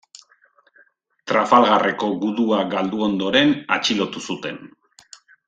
Trafalgarreko gudua galdu ondoren atxilotu zuten.